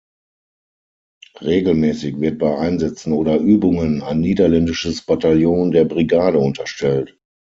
Regelmäßig wird bei Einsätzen oder Übungen ein niederländisches Bataillon der Brigade unterstellt.